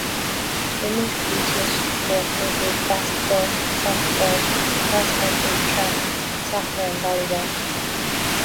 Women's collegiate sports include: basketball, softball, cross country, track, soccer and volleyball.